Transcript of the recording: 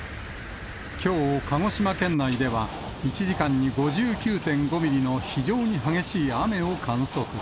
きょう、鹿児島県内では、１時間に５９．５ミリの非常に激しい雨を観測。